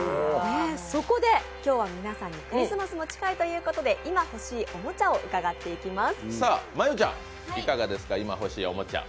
そこで、今日は皆さんにクリスマスも近いということで今欲しいおもちゃを伺っていきます。